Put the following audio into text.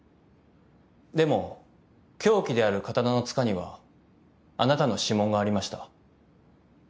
でも凶器である刀のつかにはあなたの指紋がありました。